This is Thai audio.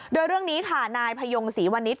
โดยเรื่องนี้ค่ะนายพยงศรีวณิช